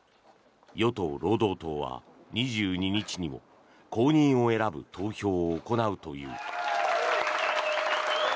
与党・労働党は２２日にも後任を選ぶ投票を行うという。